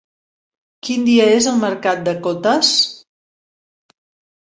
Quin dia és el mercat de Cotes?